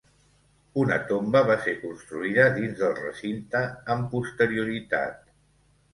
Una tomba va ser construïda dins del recinte amb posterioritat.